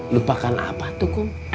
lupakan apa tuh kum